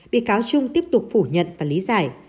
bị cáo trung tiếp tục phủ nhận và lý giải